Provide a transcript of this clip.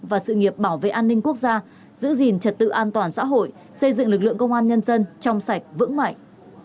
và sự nghiệp bảo vệ an ninh quốc gia giữ gìn trật tự an toàn xã hội xây dựng lực lượng công an nhân dân trong sạch vững mạnh